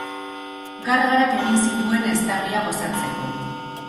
Gargarak egin zituen eztarria gozatzeko.